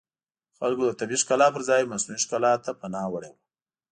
خلکو د طبیعي ښکلا پرځای مصنوعي ښکلا ته پناه وړې وه